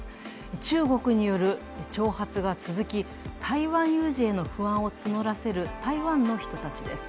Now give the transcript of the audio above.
中国による挑発が続き、台湾有事への不安を募らせる台湾の人たちです。